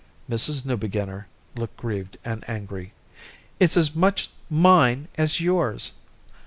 Mrs. Newbeginner looked grieved and angry. "It's as much mine as yours."